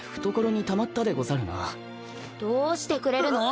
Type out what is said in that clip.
どうしてくれるの？